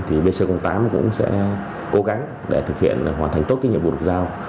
thì bc tám cũng sẽ cố gắng để thực hiện hoàn thành tốt cái nhiệm vụ được giao